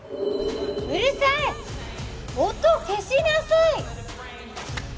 うるさいっ音消しなさい！